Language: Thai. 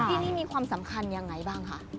ที่นี่มีความสำคัญยังไงบ้างคะ